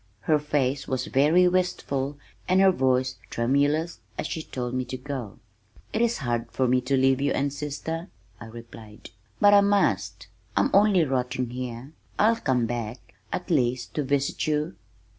Her face was very wistful and her voice tremulous as she told me to go. "It is hard for me to leave you and sister," I replied, "but I must. I'm only rotting here. I'll come back at least to visit you."